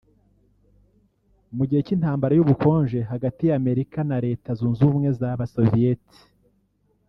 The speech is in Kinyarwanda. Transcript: Mu gihe cy’intambara y’ubukonje hagati ya Amerika na Leta yunze ubumwe y’abasoviyeti